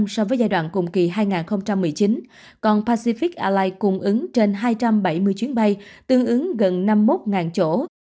một mươi so với giai đoạn cùng kỳ hai nghìn một mươi chín còn pacific airlines cũng ứng trên hai trăm bảy mươi chuyến bay tương ứng gần năm mươi một chỗ